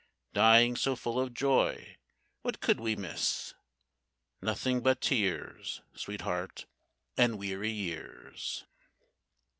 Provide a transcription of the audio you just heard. Dying so full of joy, what could we miss? Nothing but tears, Sweetheart, and weary years.